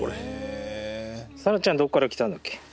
さらちゃんどっから来たんだっけ？